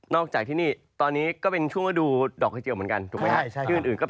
นอกจากที่นี่ตอนนี้ก็เป็นช่วงนาดูดอกขระเจียวเหมือนกัน